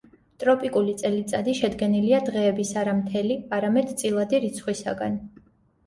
ტროპიკული წელიწადი შედგენილია დღეების არა მთელი არამედ წილადი რიცხვისაგან.